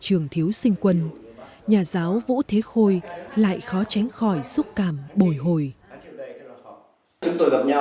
trường thiếu sinh quân nhà giáo vũ thế khôi lại khó tránh khỏi xúc cảm bồi hồi